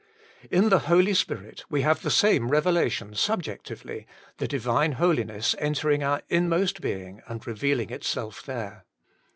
In the Holy Spirit we have the same revelation subjectively, the Divine Holiness entering our inmost being and revealing itself there.